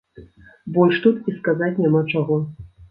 Больш тут і сказаць няма чаго.